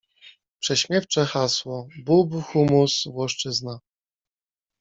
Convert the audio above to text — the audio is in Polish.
Prześmiewcze hasło: Bób, hummus, włoszczyzna.